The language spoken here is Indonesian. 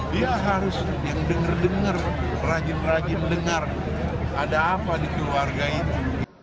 dia harus yang denger denger rajin rajin dengar ada apa di keluarga itu